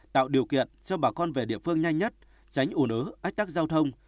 tạo điều kiện cho bà con về địa phương nhanh nhất tránh ủ nứ ách tắc giao thông